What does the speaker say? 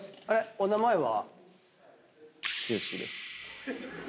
お名前は？